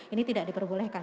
ini tidak diperbolehkan